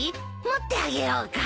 持ってあげようか？